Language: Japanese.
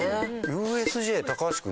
ＵＳＪ高橋君